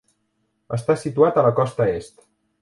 Està situat a la costa est.